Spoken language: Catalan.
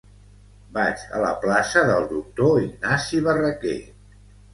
Vaig a la plaça del Doctor Ignasi Barraquer.